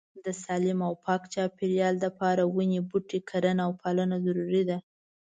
د سالیم او پاک چاپيريال د پاره وني بوټي کرنه او پالنه ضروري ده